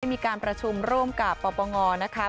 มีการประชุมร่วมกับปปงนะคะ